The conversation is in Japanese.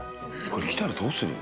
来たらどうする？